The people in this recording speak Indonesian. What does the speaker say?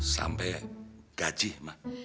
sampai gaji mak